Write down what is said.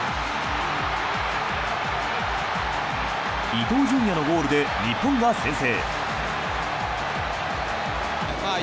伊東純也のゴールで日本が先制。